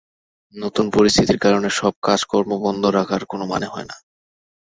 নতুন পরিস্থিতির কারণে সব কাজ কর্ম বন্ধ রাখার কোনো মানে হয় না।